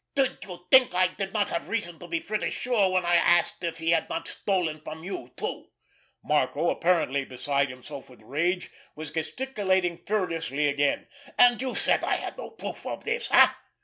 "Did you think I did not have reason to be pretty sure when I asked if he had not stolen from you, too?" Marco, apparently beside himself with rage, was gesticulating furiously again. "And you said I had no proof of this—eh?"